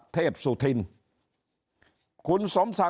ถ้าท่านผู้ชมติดตามข่าวสาร